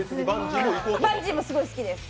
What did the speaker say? バンジーもすごい好きです。